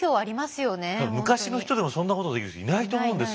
昔の人でもそんなことできる人いないと思うんですよ。